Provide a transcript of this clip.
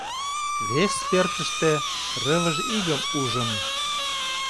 Вес пӧртыштӧ рывыж игым ужым.